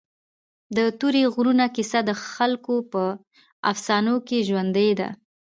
د تورې غرونو کیسه د خلکو په افسانو کې ژوندۍ ده.